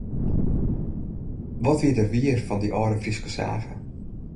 Wat wie der wier fan dy âlde Fryske sage.